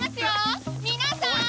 皆さーん！